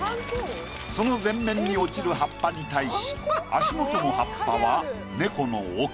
その前面に落ちる葉っぱに対し足元の葉っぱは猫の奥。